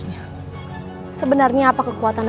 naga raja nggak harus japan